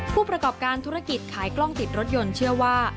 ผู้ประกอบการธุรกิจขายกล้องติดรถยนต์เชื่อว่า